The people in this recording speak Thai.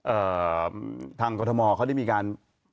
เอ่อทางกรทมเขาได้มีการ